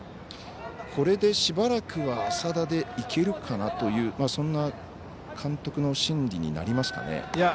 これでしばらくは浅田でいけるかなという監督の心理になりますかね。